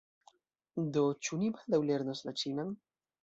Do ĉu ni baldaŭ lernos la ĉinan?